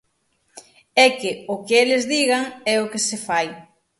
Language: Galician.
E que o que eles digan é o que se fai.